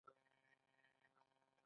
د آزادې سیالۍ له لارې د مامورینو ګمارل.